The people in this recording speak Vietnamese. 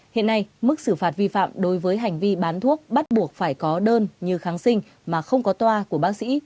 hiện nay mức xử phạt vi phạm đối với hành vi bán thuốc bắt buộc phải có đơn như kháng sinh mà không có toa của bác sĩ